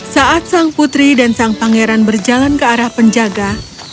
saat sang putri dan sang pangeran berjalan ke arah penjaga